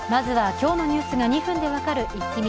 今日のニュースが２分で分かるイッキ見。